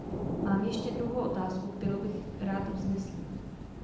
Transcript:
Mám ještě druhou otázku, kterou bych tád vznesl.